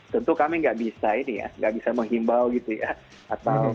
tentu kami nggak bisa ini ya nggak bisa menghimbau gitu ya